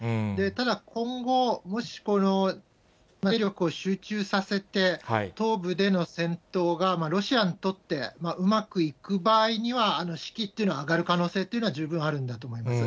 ただ、今後、もしこの兵力を集中させて、東部での戦闘がロシアにとってうまくいく場合には、士気っていうのは、上がる可能性っていうのは十分あるんだと思います。